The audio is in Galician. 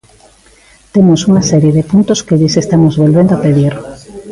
Temos unha serie de puntos que lles estamos volvendo a pedir.